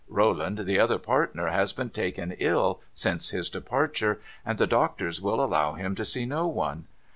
Rolland, the other partner, has been taken ill since his departure, and the doctors will allow him to see no one.